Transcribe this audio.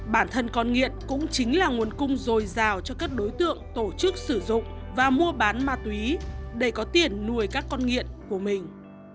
bản thân con nghiện cũng chính là nguồn cung dồi dào cho các đối tượng tổ chức sử dụng và mua bán ma túy để có tiền nuôi các con nghiện của mình